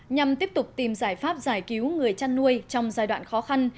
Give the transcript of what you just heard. nhằm tiếp tục tìm giải pháp giải cứu người chăn nuôi trong giai đoạn khó khăn